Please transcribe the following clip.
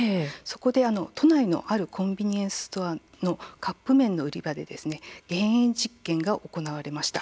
そこで都内のコンビニエンスストアのカップ麺の売り場で減塩実験が行われました。